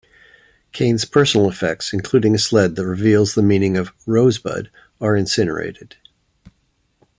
Kane's personal effects, including a sled that reveals the meaning of "Rosebud", are incinerated.